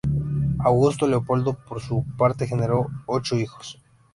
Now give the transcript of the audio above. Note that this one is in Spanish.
Augusto Leopoldo, por su parte, generó ocho hijos.